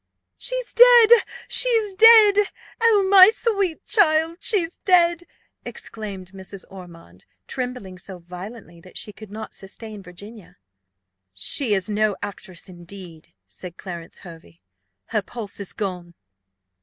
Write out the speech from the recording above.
"She's dead! she's dead! Oh, my sweet child! she's dead!" exclaimed Mrs. Ormond, trembling so violently, that she could not sustain Virginia. "She is no actress, indeed," said Clarence Hervey: "her pulse is gone!"